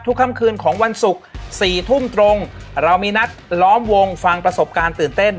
ค่ำคืนของวันศุกร์๔ทุ่มตรงเรามีนัดล้อมวงฟังประสบการณ์ตื่นเต้น